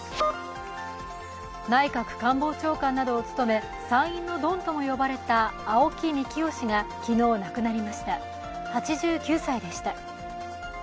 内閣官房長官などを務め、参院のドンとも呼ばれた青木幹雄氏が昨日亡くなりました、８９歳でした。